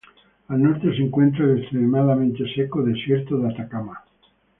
Al norte se encuentra el extremadamente seco Desierto de Atacama.